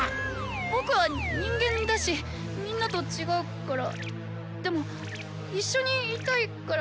僕は人間だしみんなと違うからでも一緒にいたいからえーと。